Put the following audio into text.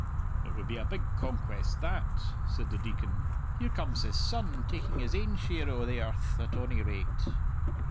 "It would be a big conquest that!" said the Deacon. "Here comes his son, taking his ain share o' the earth, at ony rate."